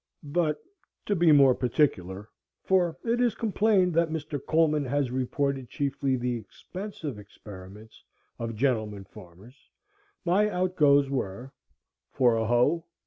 But to be more particular, for it is complained that Mr. Coleman has reported chiefly the expensive experiments of gentlemen farmers, my outgoes were,— For a hoe